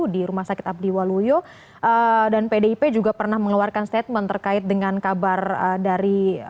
di rumah sakit abdi waluyo dan pdip juga pernah mengeluarkan statement terkait dengan kabar dari